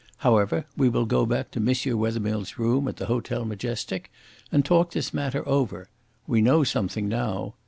However, we will go back to M. Wethermill's room at the Hotel Majestic and talk this matter over. We know something now.